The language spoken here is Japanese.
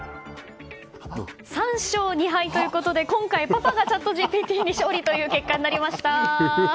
３勝２敗ということで今回はパパがチャットＧＰＴに勝利という結果になりました。